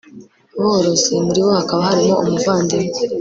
borozi muri bo hakaba harimo umuvandimwe